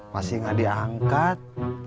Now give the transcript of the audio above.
masih nggak diangkat